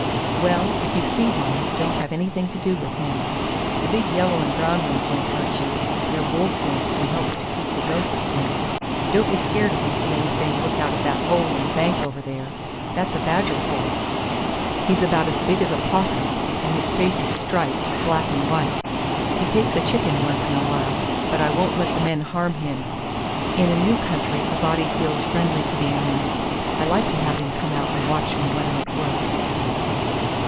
"Well, if you see one, don't have anything to do with him. The big yellow and brown ones won't hurt you; they're bull snakes and help to keep the gophers down. Don't be scared if you see anything look out of that hole in the bank over there. That's a badger hole. He's about as big as a big 'possum, and his face is striped, black and white. He takes a chicken once in a while, but I won't let the men harm him. In a new country a body feels friendly to the animals. I like to have him come out and watch me when I'm at work."